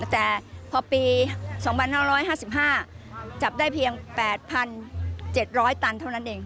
แต่พอปี๒๕๕๕จับได้เพียง๘๗๐๐ตันเท่านั้นเอง